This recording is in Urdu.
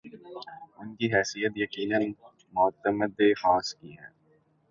‘ ان کی حیثیت یقینا معتمد خاص کی ہے۔